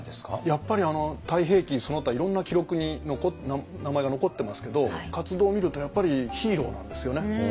やっぱり「太平記」その他いろんな記録に名前が残ってますけど活動を見るとやっぱりヒーローなんですよね。